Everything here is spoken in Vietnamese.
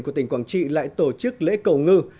của tỉnh quảng trị lại tổ chức lễ cầu ngư